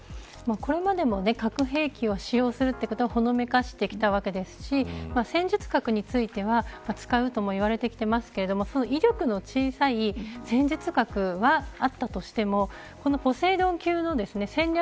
これまでも核兵器を使用するということはほのめかしてきたわけですし戦術核については使うともいわれてきてますけれどもその威力の小さい戦術核はあったとしてもこのポセイドン級の戦略